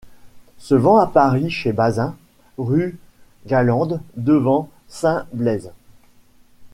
Se vend à Paris chez Bazin, rüe Gallande devant St Blaise.